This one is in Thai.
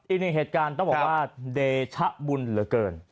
อีกหนึ่งเหตุการณ์ต้องบอกว่าเดชะบุญเหลือเกิน